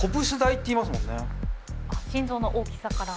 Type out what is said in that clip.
心臓の大きさから。